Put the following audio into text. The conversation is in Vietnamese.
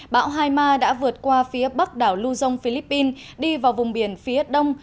bão haima đã vượt qua phía bắc đảo luzon philippines đi vào vùng biển phía đông